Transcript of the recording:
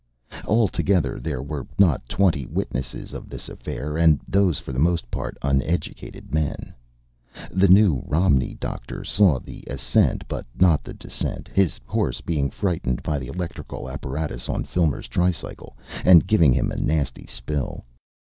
Altogether there were not twenty witnesses of this affair, and those for the most part uneducated men. The New Romney doctor saw the ascent but not the descent, his horse being frightened by the electrical apparatus on Filmer's tricycle and giving him a nasty spill.